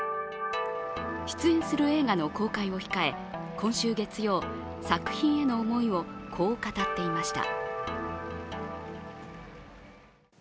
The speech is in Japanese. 出演する映画の公開を控え、今週月曜作品への思いをこう、語っていました。